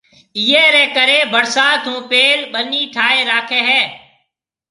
ايئيَ رَي ڪرَي ڀرسات ھون پيل ٻنِي ٺائيَ راکيَ ھيََََ